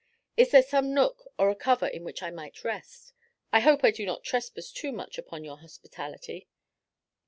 Is there some nook or a cover in which I might rest? I hope I do not trespass too much upon your hospitality."